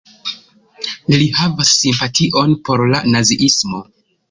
Li havis simpation por la naziismo.